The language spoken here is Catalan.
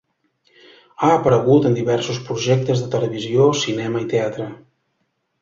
Ha aparegut en diversos projectes de televisió, cinema i teatre.